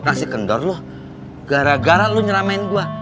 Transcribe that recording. kondisi kendor lo gara gara lo nyeramain gue